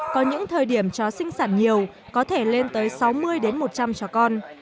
có những thời điểm chó sinh sản nhiều có thể lên tới sáu mươi một trăm linh cho con